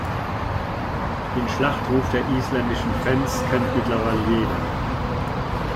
Den Schlachtruf der isländischen Fans kennt mittlerweile jeder.